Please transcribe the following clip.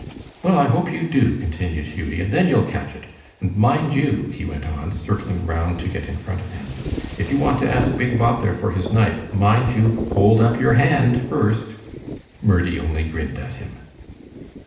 "Well, I hope you do," continued Hughie, "and then you'll catch it. And mind you," he went on, circling round to get in front of him, "if you want to ask big Bob there for his knife, mind you hold up your hand first." Murdie only grinned at him.